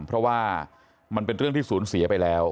เพราะว่ามันเป็นเรื่องที่สูญเสียไปแล้ว